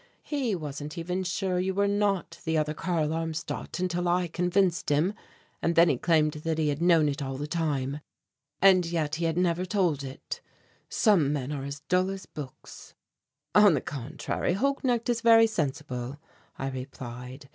He wasn't even sure you were not the other Karl Armstadt until I convinced him, and then he claimed that he had known it all the time; and yet he had never told it. Some men are as dull as books." "On the contrary, Holknecht is very sensible," I replied.